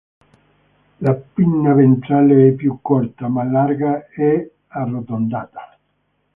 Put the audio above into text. La pinna ventrale è più corta, ma larga e arrotondata.